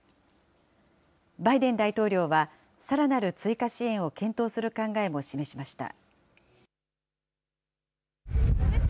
バイデン大統領は、さらなる追加支援を検討する考えも示しました。